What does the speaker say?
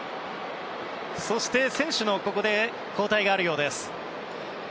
そして、ここで選手の交代があるようです。